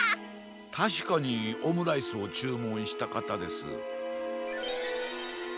たしかにオムライスをちゅうもんしたかたです。